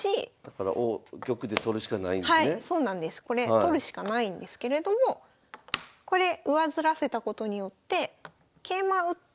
取るしかないんですけれどもこれ上ずらせたことによって桂馬打って。